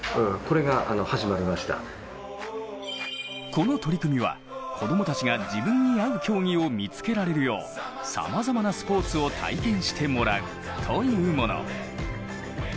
この取り組みは子供たちが自分に合う競技を見つけられるようさまざまなスポーツを体験してもらうというもの。